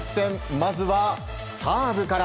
まずはサーブから。